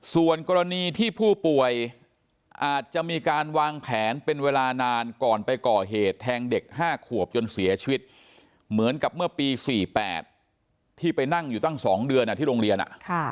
ส่วนกรณีที่ผู้ป่วยอาจจะมีการวางแผนเป็นเวลานานก่อนไปก่อเหตุแทงเด็ก๕ขวบจนเสียชีวิตเหมือนกับเมื่อปี๔๘ที่ไปนั่งอยู่ตั้ง๒เดือนที่โรงเรียน